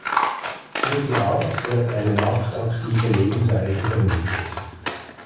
Für die Art wird eine nachtaktive Lebensweise vermutet.